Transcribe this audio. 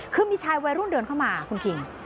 คือมีชายวัยรุ่นเดินเข้ามาคุณคิง